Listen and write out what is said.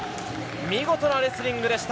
見事なレスリングでした。